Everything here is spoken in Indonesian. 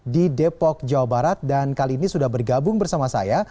di depok jawa barat dan kali ini sudah bergabung bersama saya